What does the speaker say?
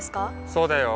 そうだよ。